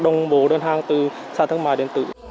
đồng bộ đơn hàng từ sàn thương mại điện tử